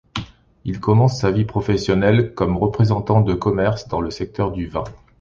Il commence sa vie professionnelle comme représentant de commerce dans le secteur du vin.